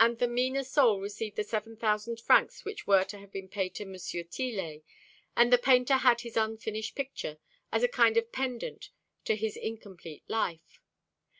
And the meaner soul received the seven thousand francs which were to have been paid to M. Tillet, and the painter had his unfinished picture, as a kind of pendant to his incomplete life.